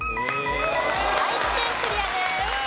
愛知県クリアです。